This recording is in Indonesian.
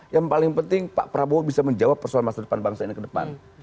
yang paling penting pak prabowo bisa menjawab persoalan masa depan bangsa ini ke depan